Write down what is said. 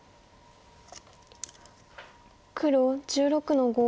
黒１６の五。